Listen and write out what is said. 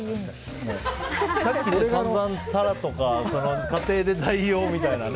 さっき、散々タラとか家庭で代用みたいなね。